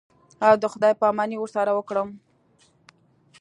او د خداى پاماني ورسره وکړم.